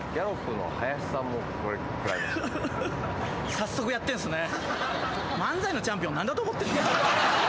早速やってんすね。